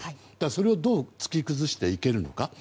それをどう突き崩していけるのか。